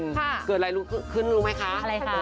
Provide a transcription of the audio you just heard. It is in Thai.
เกิดอะไรรู้ขึ้นรู้ไหมคะอะไรคะ